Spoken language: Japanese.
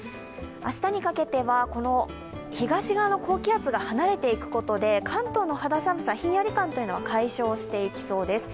明日にかけては東側の高気圧が離れていくことで関東の肌寒さ、ひんやり感は解消されていきそうです。